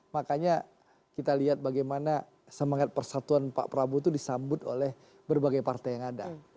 makanya kita lihat bagaimana semangat persatuan pak prabowo itu disambut oleh berbagai partai yang ada